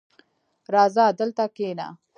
• راځه، دلته کښېنه.